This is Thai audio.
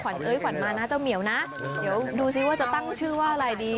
เอ้ยขวัญมานะเจ้าเหมียวนะเดี๋ยวดูซิว่าจะตั้งชื่อว่าอะไรดี